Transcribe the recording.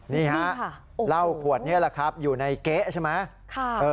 นี่ฮะเหล้าขวดนี้แหละครับอยู่ในเก๊ะใช่ไหม